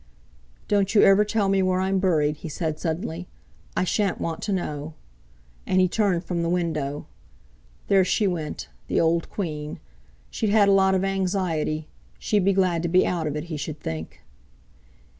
"Don't you ever tell me where I'm buried," he said suddenly. "I shan't want to know." And he turned from the window. There she went, the old Queen; she'd had a lot of anxiety—she'd be glad to be out of it, he should think!